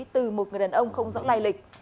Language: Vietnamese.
từ một người đàn ông không rõ lai lịch